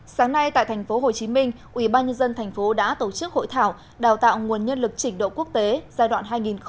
sáng nay tại tp hcm ủy ban nhân dân tp đã tổ chức hội thảo đào tạo nguồn nhân lực trình độ quốc tế giai đoạn hai nghìn hai mươi hai nghìn ba mươi